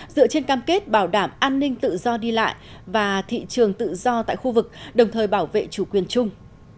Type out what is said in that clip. dựa trên cam kết bảo đảm an ninh tự do đi lại và thị trường tự do tại khu vực đồng thời bảo vệ chủ quyền chung